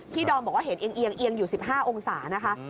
ที่ดอมบอกว่าเห็นเอียงอยู่๑๕องศานะคะ